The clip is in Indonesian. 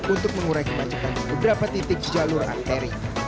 untuk mengurai kemacetan di beberapa titik jalur arteri